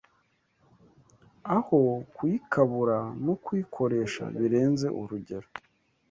aho kuyikabura no kuyikoresha birenze urugero.